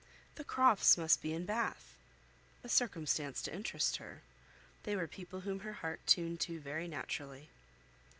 The Crofts must be in Bath! A circumstance to interest her. They were people whom her heart turned to very naturally.